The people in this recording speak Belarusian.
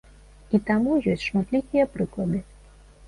І таму ёсць шматлікія прыклады.